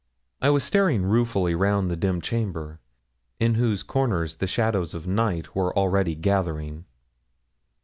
I was staring ruefully round the dim chamber, in whose corners the shadows of night were already gathering.